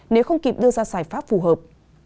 nếu không kịp đưa ra xài pháp phù hợp